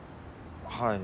はい。